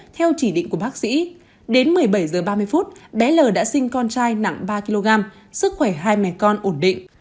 theo chỉ định của bác sĩ đến một mươi bảy h ba mươi phút bé l đã sinh con trai nặng ba kg sức khỏe hai mẹ con ổn định